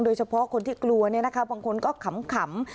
โดยเฉพาะคนที่กลัวบางคนก็ขำ